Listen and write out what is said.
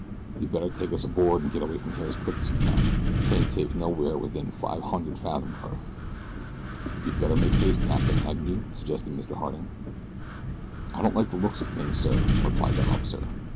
You'd better take us aboard, an' get away from here as quick as you can. 'Tain't safe nowhere within five hun'erd fathom of her." "You'd better make haste, Captain, hadn't you?" suggested Mr. Harding. "I don't like the looks of things, sir," replied that officer.